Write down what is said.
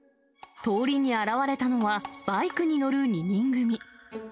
通りに現れたのは、バイクに乗る２人組。